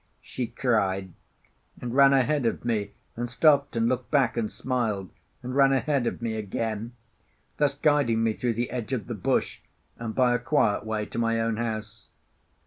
she cried, and ran ahead of me, and stopped and looked back and smiled, and ran ahead of me again, thus guiding me through the edge of the bush, and by a quiet way to my own house.